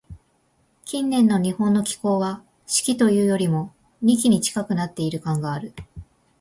近年の日本の気候は、「四季」というよりも、「二季」に近くなっている感がある。